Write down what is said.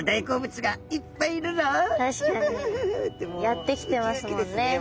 やって来てますもんね。